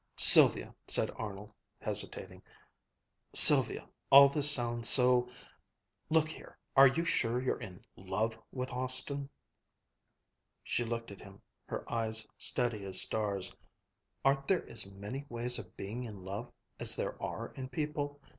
"Sylvia," said Arnold, hesitating, "Sylvia, all this sounds so look here, are you sure you're in love with Austin?" She looked at him, her eyes steady as stars. "Aren't there as many ways of being in love, as there are people?"